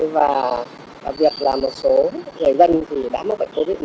và việc là một số người dân thì đã mắc bệnh covid một mươi chín